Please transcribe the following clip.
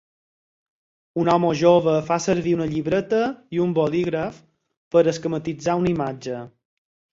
Un home jove fa servir una llibreta i un bolígraf per esquematitzar una imatge.